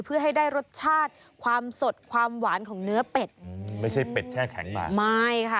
เพื่อให้ได้รสชาติความสดความหวานของเนื้อเป็ดอืมไม่ใช่เป็ดแช่แข็งมาไม่ค่ะ